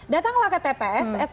datanglah ke tps